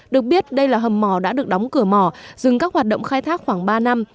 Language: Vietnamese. được biết đây là hầm mỏ đã được đóng cửa mỏ dừng các hoạt động khai thác khoảng ba năm